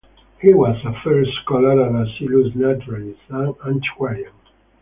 He was a fair scholar, and a zealous naturalist and antiquarian.